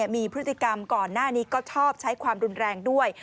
มีพฤติกรรมก่อนหน้านี้ก็ชอบใช้ความรุนแรงด้วย